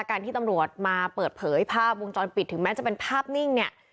การที่ตำรวจมาเปิดเผยภาพวงจรปิดถึงแม้จะเป็นภาพนิ่งเนี่ย